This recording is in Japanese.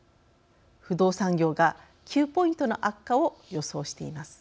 不動産業が９ポイントの悪化を予想しています。